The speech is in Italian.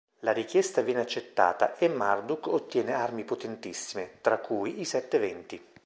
La richiesta viene accettata e Marduk ottiene armi potentissime, tra cui i sette venti.